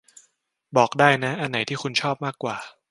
บอกได้นะ อันไหนที่คุณชอบมากกว่า